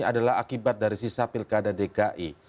adalah akibat dari sisa pilkada dki